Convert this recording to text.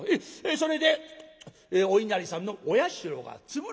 それでお稲荷さんのお社が潰れた。